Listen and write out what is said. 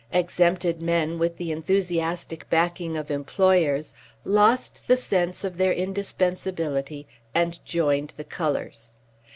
Exempted men, with the enthusiastic backing of employers, lost the sense of their indispensability and joined the colours.